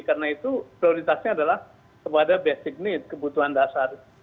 karena itu prioritasnya adalah kepada basic need kebutuhan dasar